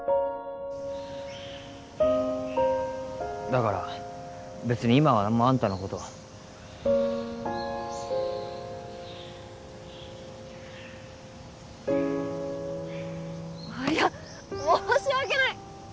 だから別に今は何もアンタのこといや申し訳ないっ